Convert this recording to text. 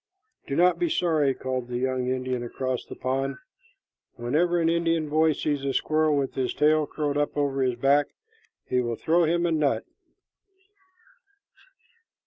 "Do not be sorry," called the young Indian across the pond. "Whenever an Indian boy sees a squirrel with his tail curled up over his back, he will throw him a nut."